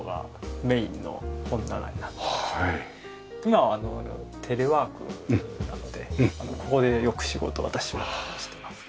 今はあのテレワークなのでここでよく仕事私もしてます。